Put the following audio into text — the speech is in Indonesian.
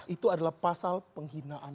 itu adalah pasal penghinaan